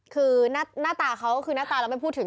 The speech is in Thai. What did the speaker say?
คือหน้าตาเขาคือหน้าตาเราไม่พูดถึง